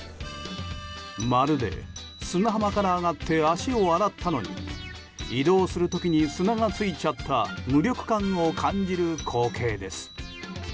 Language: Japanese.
まるで、砂浜から上がって足を洗ったのに移動する時に砂がついちゃった無力感を感じる光景です。